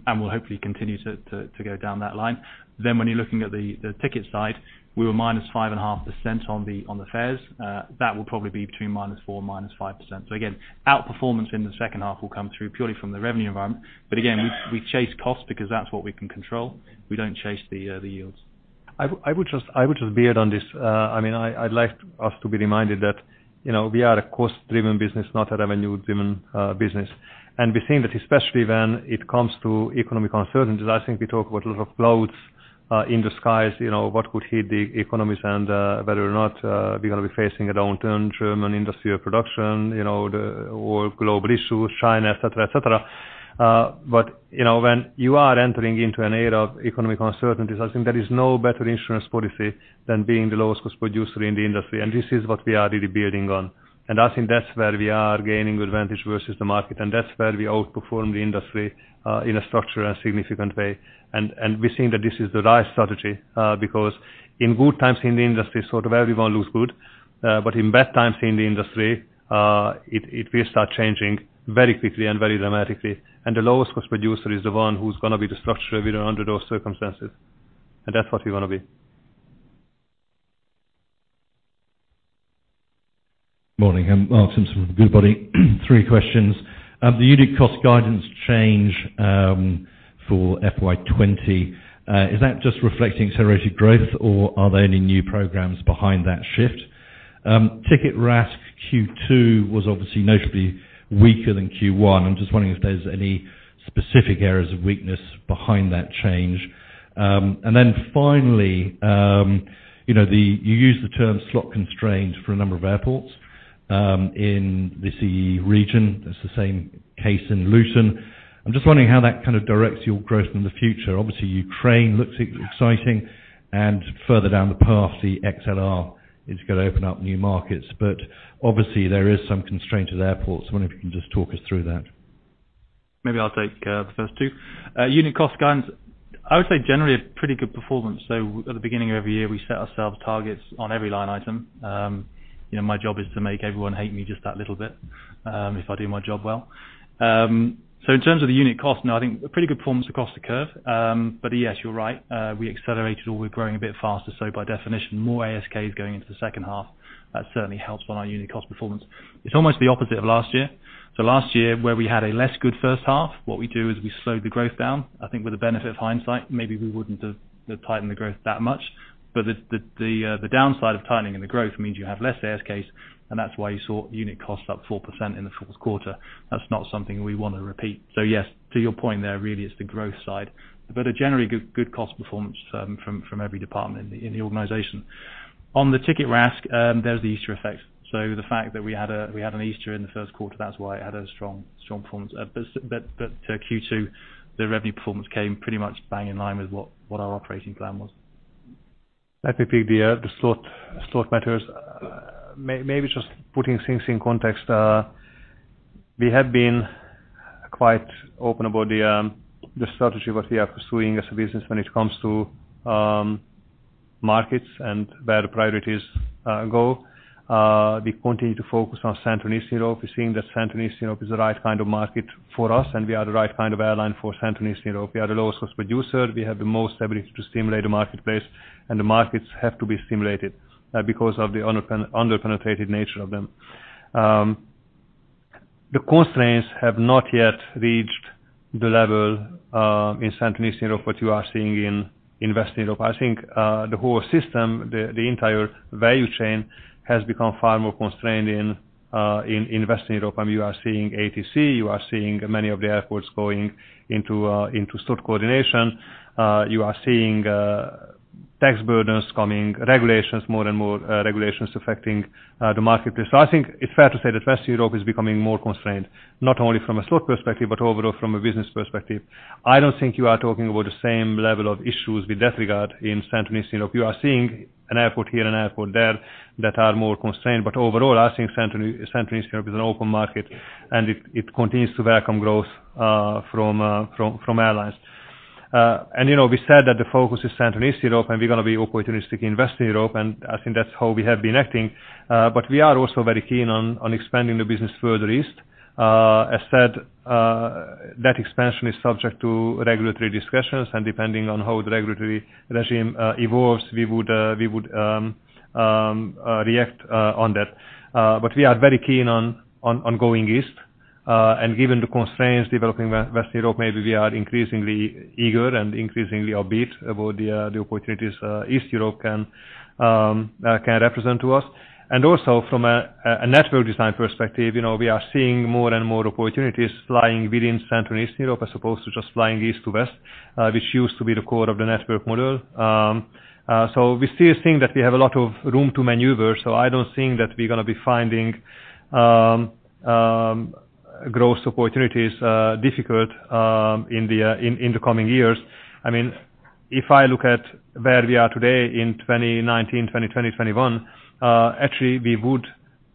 We'll hopefully continue to go down that line. When you're looking at the ticket side, we were -5.5% on the fares. That will probably be between -4% and -5%. Again, outperformance in the second half will come through purely from the revenue environment. Again, we chase costs because that's what we can control. We don't chase the yields. I would just build on this. I'd like us to be reminded that we are a cost-driven business, not a revenue-driven business. We think that especially when it comes to economic uncertainties, I think we talk about a lot of clouds in the skies, what could hit the economies and whether or not we're going to be facing a downturn, German industry production, or global issues, China, et cetera. When you are entering into an era of economic uncertainties, I think there is no better insurance policy than being the lowest cost producer in the industry. This is what we are really building on. I think that's where we are gaining advantage versus the market, and that's where we outperform the industry, in a structural and significant way. We think that this is the right strategy, because in good times in the industry, sort of everyone looks good. In bad times in the industry, it will start changing very quickly and very dramatically. The lowest cost producer is the one who's going to be the survivor even under those circumstances. That's what we want to be. Morning. Mark Simpson from Goodbody. Three questions. The unit cost guidance change for FY 2020, is that just reflecting accelerated growth, or are there any new programs behind that shift? ticket RASK Q2 was obviously notably weaker than Q1. I'm just wondering if there's any specific areas of weakness behind that change. Finally, you used the term slot constrained for a number of airports, in the CEE region. It's the same case in Luton. I'm just wondering how that kind of directs your growth in the future. Obviously Ukraine looks exciting and further down the path, the A321XLR is going to open up new markets. Obviously there is some constraint at airports. I wonder if you can just talk us through that. Maybe I'll take the first two. Unit cost guidance, I would say generally a pretty good performance. At the beginning of every year, we set ourselves targets on every line item. My job is to make everyone hate me just that little bit, if I do my job well. In terms of the unit cost, no, I think pretty good performance across the curve. Yes, you're right. We accelerated, or we're growing a bit faster. By definition, more ASK is going into the second half. That certainly helps on our unit cost performance. It's almost the opposite of last year. Last year, where we had a less good first half, what we do is we slowed the growth down. I think with the benefit of hindsight, maybe we wouldn't have tightened the growth that much. The downside of tightening in the growth means you have less ASK, and that's why you saw unit cost up 4% in the fourth quarter. That's not something we want to repeat. Yes, to your point there, really it's the growth side, but a generally good cost performance from every department in the organization. On the ticket RASK, there's the Easter effect. The fact that we had an Easter in the first quarter, that's why it had a strong performance. Q2, the revenue performance came pretty much bang in line with what our operating plan was. I think the slot matters. Maybe just putting things in context. We have been quite open about the strategy that we are pursuing as a business when it comes to markets and where the priorities go. We continue to focus on Central and Eastern Europe. We're seeing that Central and Eastern Europe is the right kind of market for us, and we are the right kind of airline for Central and Eastern Europe. We are the lowest cost producer. We have the most ability to stimulate the marketplace, and the markets have to be stimulated because of the under-penetrated nature of them. The constraints have not yet reached the level in Central and Eastern Europe what you are seeing in Western Europe. I think the whole system, the entire value chain, has become far more constrained in Western Europe. You are seeing ATC, you are seeing many of the airports going into slot coordination. You are seeing tax burdens coming, more and more regulations affecting the marketplace. I think it's fair to say that Western Europe is becoming more constrained, not only from a slot perspective, but overall from a business perspective. I don't think you are talking about the same level of issues with that regard in Central and Eastern Europe. You are seeing an airport here and an airport there that are more constrained. Overall, I think Central and Eastern Europe is an open market, and it continues to welcome growth from airlines. We said that the focus is Central and Eastern Europe, and we're going to be opportunistic in Western Europe, and I think that's how we have been acting. We are also very keen on expanding the business further east. As said, that expansion is subject to regulatory discussions, and depending on how the regulatory regime evolves, we would react on that. We are very keen on going east. Given the constraints developing in Western Europe, maybe we are increasingly eager and increasingly upbeat about the opportunities East Europe can represent to us. Also from a network design perspective, we are seeing more and more opportunities flying within Central and Eastern Europe as opposed to just flying east to west, which used to be the core of the network model. We still think that we have a lot of room to maneuver. I don't think that we're going to be finding growth opportunities difficult in the coming years. If I look at where we are today in 2019, 2020, 2021, actually, we would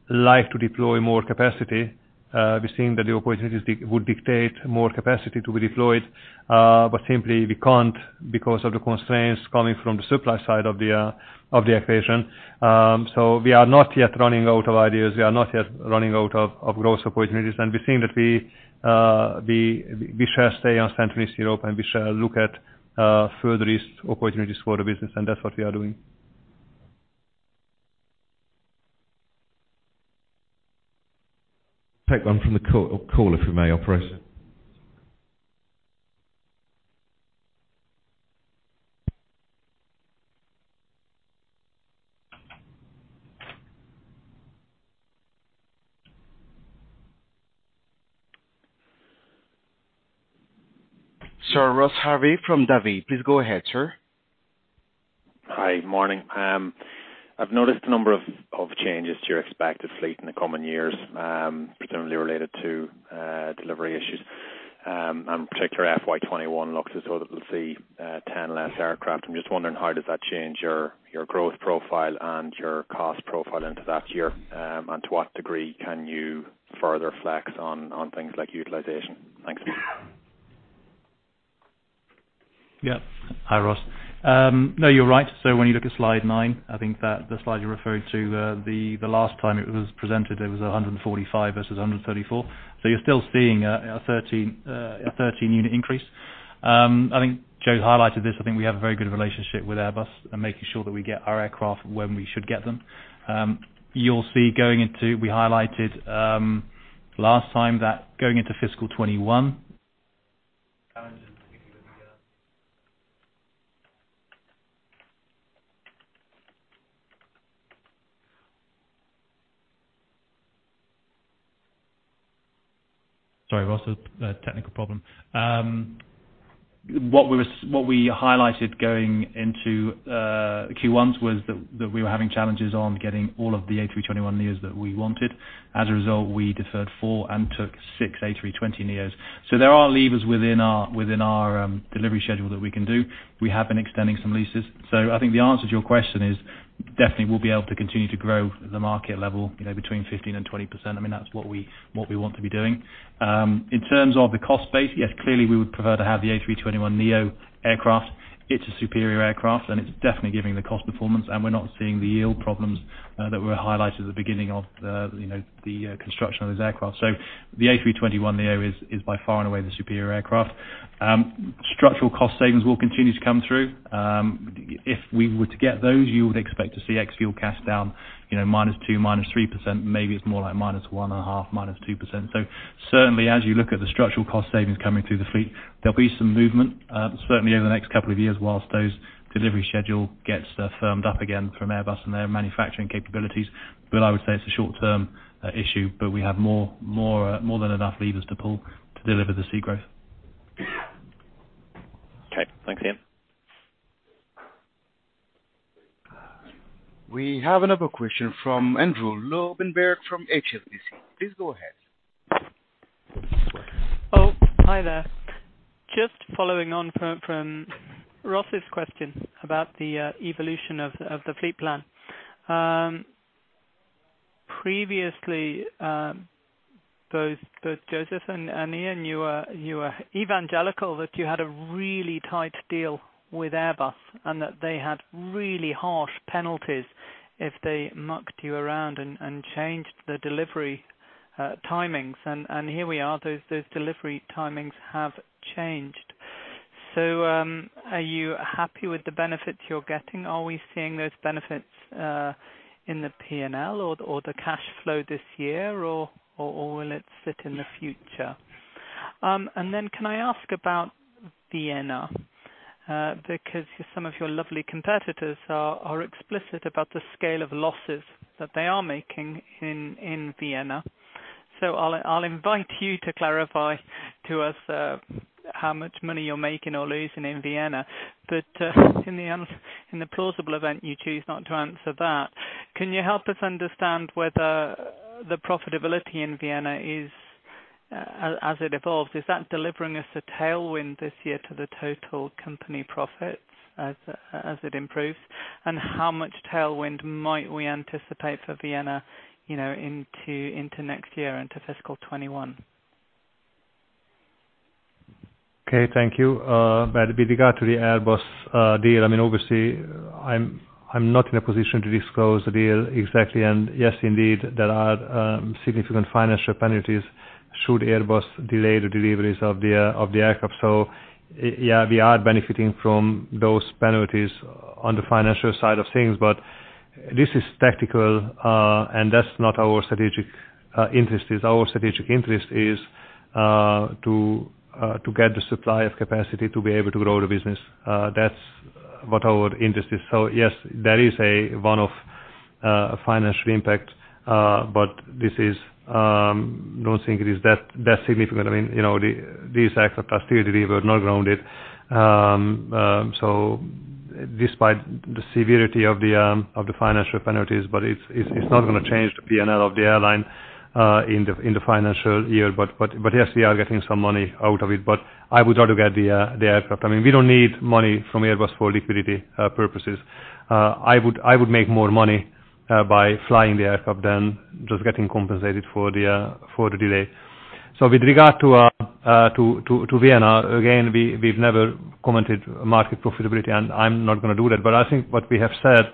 like to deploy more capacity. We're seeing that the opportunities would dictate more capacity to be deployed. Simply we can't because of the constraints coming from the supply side of the equation. We are not yet running out of ideas. We are not yet running out of growth opportunities. We think that we shall stay on Central and Eastern Europe, and we shall look at further opportunities for the business, and that's what we are doing. Take one from the call, if we may, operator. Sir Ross Harvey from Davy. Please go ahead, sir. Hi. Morning. I've noticed a number of changes to your expected fleet in the coming years, presumably related to delivery issues. In particular, FY 2021 looks as though that we'll see 10 less aircraft. I'm just wondering how does that change your growth profile and your cost profile into that year? To what degree can you further flex on things like utilization? Thanks. Yeah. Hi, Ross. No, you're right. When you look at slide nine, I think that the slide you're referring to, the last time it was presented, it was 145 versus 134. You're still seeing a 13-unit increase. I think Jo highlighted this. I think we have a very good relationship with Airbus and making sure that we get our aircraft when we should get them. You'll see, we highlighted last time that going into fiscal 2021. Sorry, Ross, a technical problem. What we highlighted going into Q1s was that we were having challenges on getting all of the A321neos that we wanted. As a result, we deferred four and took six A320neos. There are levers within our delivery schedule that we can do. We have been extending some leases. I think the answer to your question is, definitely we'll be able to continue to grow the market level between 15%-20%. That's what we want to be doing. In terms of the cost base, yes, clearly we would prefer to have the A321neo aircraft. It's a superior aircraft, and it's definitely giving the cost performance, and we're not seeing the yield problems that were highlighted at the beginning of the construction of those aircraft. The A321neo is by far and away the superior aircraft. Structural cost savings will continue to come through. If we were to get those, you would expect to see ex-fuel CASK down -2%, -3%, maybe it's more like -1.5%, -2%. Certainly as you look at the structural cost savings coming through the fleet, there'll be some movement. Certainly over the next couple of years, while those delivery schedule gets firmed up again from Airbus and their manufacturing capabilities. I would say it's a short-term issue, but we have more than enough levers to pull to deliver the C growth. Okay. Thanks, Iain. We have another question from Andrew Lobbenberg from HSBC. Please go ahead. Oh, hi there. Just following on from Ross's question about the evolution of the fleet plan. Previously, both József and Iain, you were evangelical that you had a really tight deal with Airbus and that they had really harsh penalties if they mucked you around and changed the delivery timings. Here we are, those delivery timings have changed. Are you happy with the benefits you're getting? Are we seeing those benefits in the P&L or the cash flow this year, or will it sit in the future? Can I ask about Vienna? Some of your lovely competitors are explicit about the scale of losses that they are making in Vienna. I'll invite you to clarify to us how much money you're making or losing in Vienna. In the plausible event you choose not to answer that, can you help us understand whether the profitability in Vienna, as it evolves, is that delivering us a tailwind this year to the total company profits as it improves? How much tailwind might we anticipate for Vienna into next year, into fiscal 2021? Okay. Thank you. With regard to the Airbus deal, obviously, I'm not in a position to disclose the deal exactly. Yes, indeed, there are significant financial penalties should Airbus delay the deliveries of the aircraft. We are benefiting from those penalties on the financial side of things. This is tactical, and that's not our strategic interest. Our strategic interest is to get the supply of capacity to be able to grow the business. That's what our interest is. Yes, there is a one-off financial impact. I don't think it is that significant. These aircraft are still delivered, not grounded. Despite the severity of the financial penalties, it's not going to change the P&L of the airline in the financial year. Yes, we are getting some money out of it, but I would rather get the aircraft. We don't need money from Airbus for liquidity purposes. I would make more money by flying the aircraft than just getting compensated for the delay. With regard to Vienna, again, we've never commented market profitability, and I'm not going to do that. I think what we have said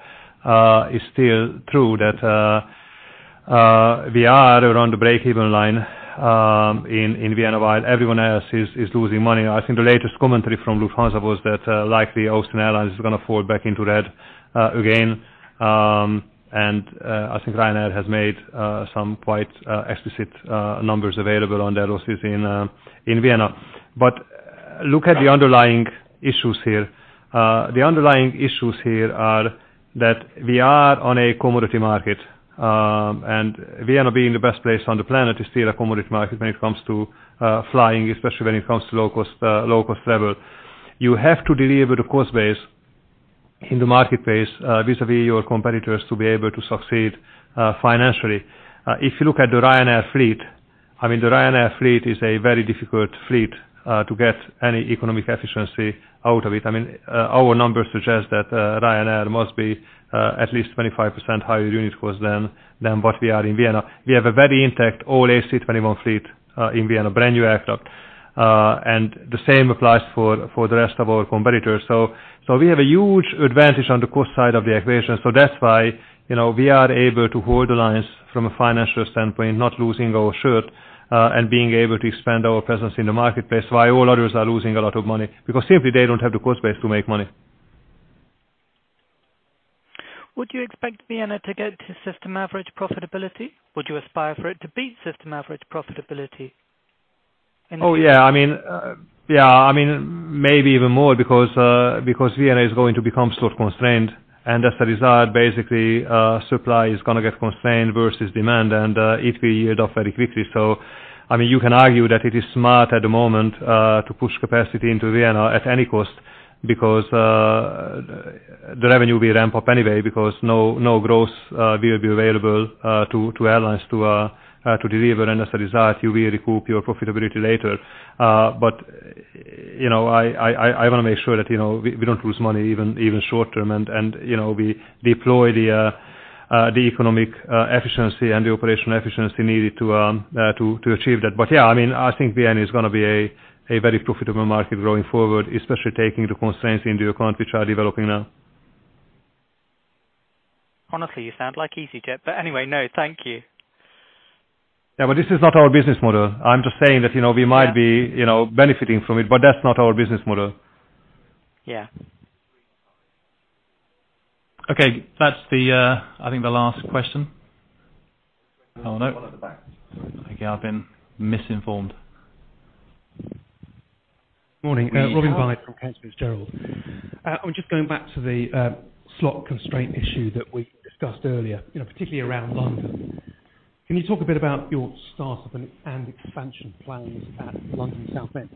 is still true, that we are around the break-even line in Vienna, while everyone else is losing money. I think the latest commentary from Lufthansa was that likely Austrian Airlines is going to fall back into red again. I think Ryanair has made some quite explicit numbers available on their losses in Vienna. Look at the underlying issues here. The underlying issues here are that we are on a commodity market, and Vienna being the best place on the planet is still a commodity market when it comes to flying, especially when it comes to low-cost level. You have to deliver the cost base in the marketplace vis-à-vis your competitors to be able to succeed financially. If you look at the Ryanair fleet, the Ryanair fleet is a very difficult fleet to get any economic efficiency out of it. Our numbers suggest that Ryanair must be at least 25% higher unit cost than what we are in Vienna. We have a very intact all A321 fleet in Vienna, brand new aircraft. The same applies for the rest of our competitors. We have a huge advantage on the cost side of the equation. That's why we are able to hold the lines from a financial standpoint, not losing our shirt, and being able to expand our presence in the marketplace, while all others are losing a lot of money, because simply they don't have the cost base to make money. Would you expect Vienna to get to system average profitability? Would you aspire for it to beat system average profitability? Oh, yeah. Maybe even more because Vienna is going to become slot constrained, and as a result, basically, supply is going to get constrained versus demand and it will yield off very quickly. You can argue that it is smart at the moment to push capacity into Vienna at any cost, because the revenue will ramp up anyway, because no growth will be available to airlines to deliver, and as a result, you will recoup your profitability later. I want to make sure that we don't lose money, even short-term, and we deploy the economic efficiency and the operational efficiency needed to achieve that. Yeah, I think Vienna is going to be a very profitable market going forward, especially taking the constraints into account which are developing now. Honestly, you sound like easyJet. Anyway, no, thank you. Yeah, this is not our business model. I'm just saying that we might be benefiting from it, but that's not our business model. Yeah. Okay, that's I think the last question. Oh, no. One at the back. Okay, I've been misinformed. Morning. Robin Bryce from Canaccord Genuity. I'm just going back to the slot constraint issue that we discussed earlier, particularly around London. Can you talk a bit about your startup and expansion plans at Southend?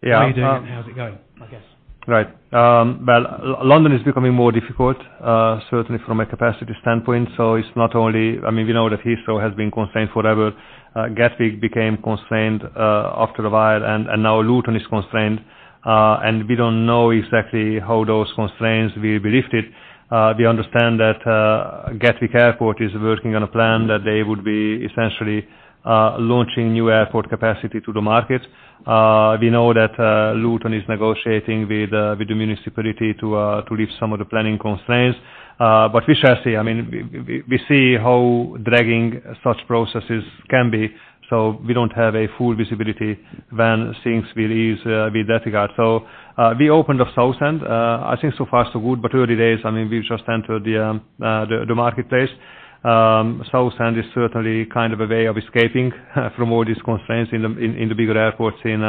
Yeah. How are you doing and how's it going, I guess? Right. Well, London is becoming more difficult, certainly from a capacity standpoint. It's not only, we know that Heathrow has been constrained forever. Gatwick became constrained after a while, and now Luton is constrained. We don't know exactly how those constraints will be lifted. We understand that Gatwick Airport is working on a plan that they would be essentially launching new airport capacity to the market. We know that Luton is negotiating with the municipality to lift some of the planning constraints. We shall see. We see how dragging such processes can be. We don't have a full visibility when things will ease with that regard. We opened up Southend, I think so far, so good. Early days, we just entered the marketplace. Southend is certainly kind of a way of escaping from all these constraints in the bigger airports in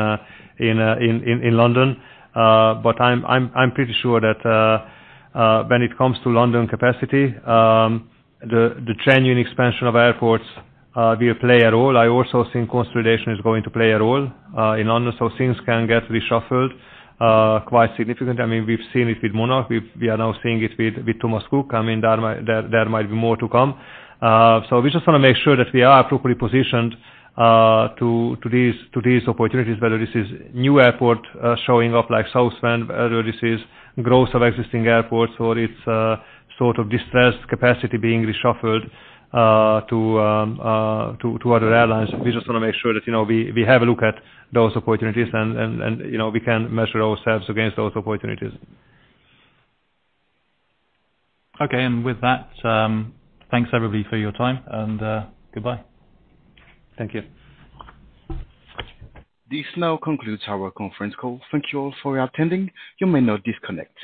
London. I'm pretty sure that when it comes to London capacity, the genuine expansion of airports will play a role. I also think consolidation is going to play a role in London, so things can get reshuffled quite significantly. We've seen it with Monarch. We are now seeing it with Thomas Cook. There might be more to come. We just want to make sure that we are appropriately positioned to these opportunities, whether this is new airport showing up like Southend, whether this is growth of existing airports, or it's sort of distressed capacity being reshuffled to other airlines. We just want to make sure that we have a look at those opportunities, and we can measure ourselves against those opportunities. Okay. With that, thanks everybody for your time, and goodbye. Thank you. This now concludes our conference call. Thank you all for attending. You may now disconnect.